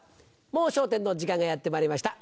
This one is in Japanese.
『もう笑点』の時間がやってまいりました。